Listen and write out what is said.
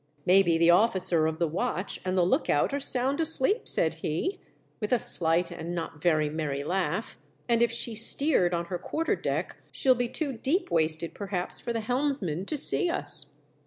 " Maybe the officer of the watch and the look out are sound asleep," said he, with a slight and not very merry laugh ;" and if she's steered on her quarter deck she'll be too deep waisted perhaps for the helmsman to see us."